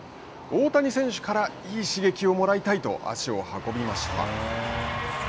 大谷選手からいい刺激をもらいたいと足を運びました。